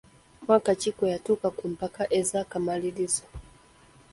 Mwaka ki gwe yatuuka ku mpaka ez’akamalirizo?